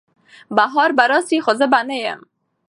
بهار به راسي خو زه به نه یم